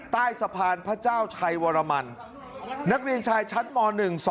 ใต้สะพานพระเจ้าชัยวรมันนักเรียนชายชั้นม๑๒